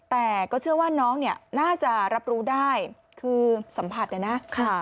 แต่ก็เชื่อว่าน้องเนี่ยน่าจะรับรู้ได้คือสัมผัสนะ